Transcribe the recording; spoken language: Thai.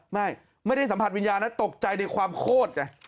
ไม่ได้สัมผัสวิญญาณนะตกใจในความโคตรไง